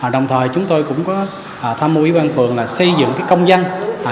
đồng thời chúng tôi cũng có tham mưu với bang phường là xây dựng công danh